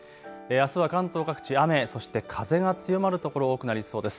あすは関東各地、雨、そして風が強まる所、多くなりそうです。